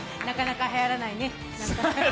なかなか、はやらないね。